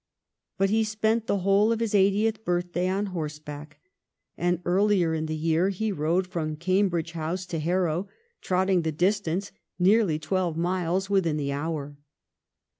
But he spent the whole of his eightieth birth day on horseback; and earlier in the year he rode from Cambridge House to Harrow, trotting the dis tance, nearly twelve miles, within the hour.